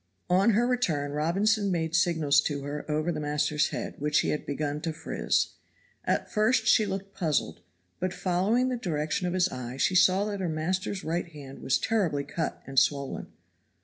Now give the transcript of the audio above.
On her return Robinson made signals to her over the master's head, which he had begun to frizz. At first she looked puzzled, but following the direction of his eye she saw that her master's right hand was terribly cut and swollen.